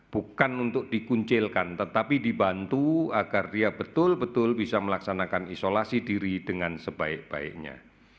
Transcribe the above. bukan untuk dikuncilkan tetapi dibantu agar dia betul betul bisa melaksanakan isolasi diri dengan sebaik baiknya